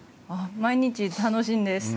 毎日、楽しいです。